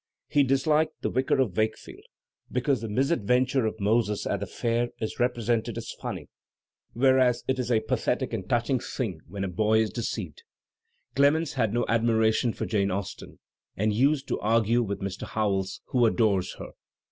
He disliked "The Vicar of Wakefield," because the misadventm^ of Moses at the fair is represented as fumiy, whereas it is a pathetic and touching thing when a boy is deceived. Clemens had no admiration for Jane Austen and used to argue with Mr. Howells, who adores her.